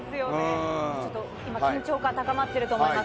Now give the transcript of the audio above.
ちょっと緊張感高まっていると思います。